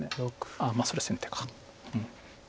あっそれ先手か。